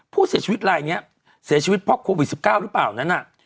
ผู้เสียชีวิตลายนี้เสียชีวิตเพราะโควิด๑๙หรือเปล่านั้นน่ะ